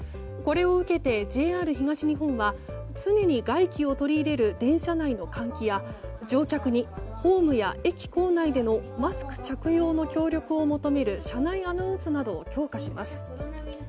これを受けてＪＲ東日本は常に外気を取り入れる電車内の換気や乗客にホームや駅構内でのマスク着用の協力を求める車内アナウンスなどを強化します。